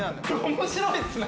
面白いっすね。